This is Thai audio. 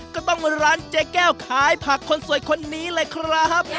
ก็ต้องร้านเจ๊แก้วขายผักคนสวยคนนี้เลยครับ